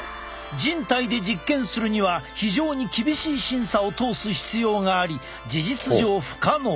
人体で実験するには非常に厳しい審査を通す必要があり事実上不可能。